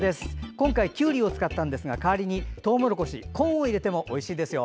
今回はきゅうりを使ったんですが代わりにとうもろこしコーンを入れてもおいしいですよ。